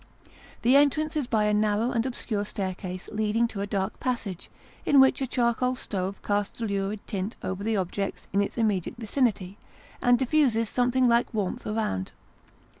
The entrance is by a narrow and obscure staircase leading to a dark passage, in which a charcoal stove casts a lurid tint over the objects in its immediate vicinity, and diffuses something like warmth around.